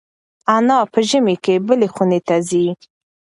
انا په ژمي کې بلې خونې ته ځي.